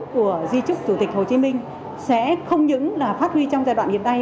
của di trúc chủ tịch hồ chí minh sẽ không những là phát huy trong giai đoạn hiện nay